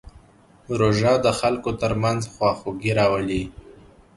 روژه د خلکو ترمنځ خواخوږي راولي.